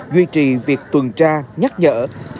duy trì việc tuần tra nhắc nhở